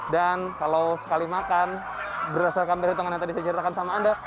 dan kalau sekali makan berdasarkan perhitungan yang tadi saya ceritakan sama anda